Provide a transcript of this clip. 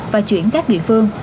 và chuyển các địa phương